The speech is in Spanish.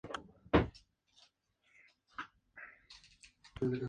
El filme fue estrenado al año siguiente.